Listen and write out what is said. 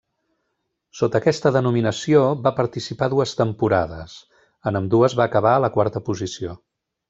Sota aquesta denominació, va participar dues temporades, en ambdues va acabar a la quarta posició.